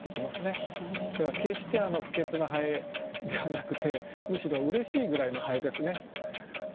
だから決して不潔な蠅ではなくてむしろうれしいぐらいの蠅ですね。